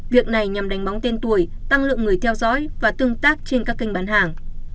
việc này nhằm đánh bóng tên tuổi tăng lượng người theo dõi và tương tác trên các kênh bán hàng